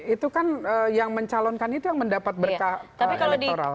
itu kan yang mencalonkan itu yang mendapat berkah elektoral